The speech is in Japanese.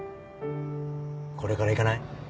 これから行かない？